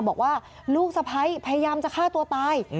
บอกว่าลูกสะพ้ายพยายามจะฆ่าตัวตาย